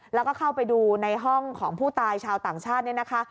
แล้วก็เข้าไปดูในห้องของผู้ตายชาวต่างชาติเนี่ยนะคะ